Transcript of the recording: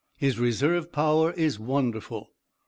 His reserve power is wonderful.